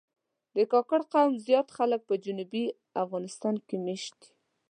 د کاکړ قوم زیات خلک په جنوبي افغانستان کې مېشت دي.